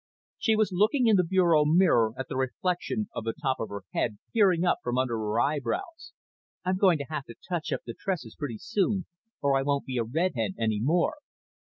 She was looking in the bureau mirror at the reflection of the top of her head, peering up from under her eyebrows. "I'm going to have to touch up the tresses pretty soon or I won't be a redhead any more."